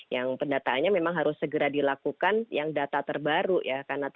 yang pendataannya memang harus segera dilakukan yang data terbaru ya